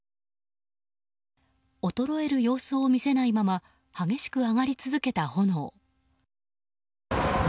衰える様子を見せないまま激しく上がり続けた炎。